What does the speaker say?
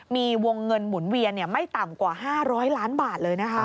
มีวงเงินหมุนเวียนไม่ต่ำกว่า๕๐๐ล้านบาทเลยนะคะ